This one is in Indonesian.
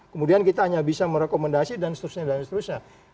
kemudian kita hanya bisa merekomendasi dan seterusnya dan seterusnya